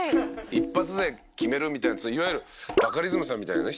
一発で決めるみたいなやついわゆるバカリズムさんみたいなね